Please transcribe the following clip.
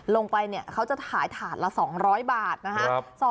ลงไปเขาจะถ่ายถาดละ๒๐๐บาทนะครับ